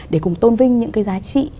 để cùng tôn vinh những cái giá trị